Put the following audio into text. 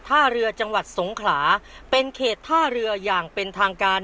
ท่าเรือจังหวัดสงขลาเป็นเขตท่าเรืออย่างเป็นทางการ